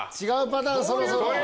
違うパターンそろそろ。